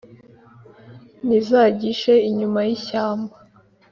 n’izagishe inyuma y’ishyamba